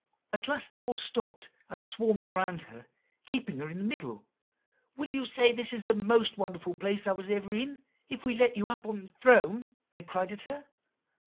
"At last they all stopped and swarmed around her, keeping her in the middle. 'Will you say "This is the most wonderful place I was ever in," if we let you get up in the throne?' they cried at her.